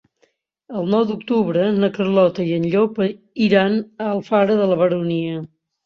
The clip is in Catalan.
El nou d'octubre na Carlota i en Llop iran a Alfara de la Baronia.